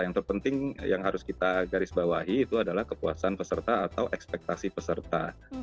yang terpenting yang harus kita garis bawahi itu adalah kepuasan peserta atau ekspektasi peserta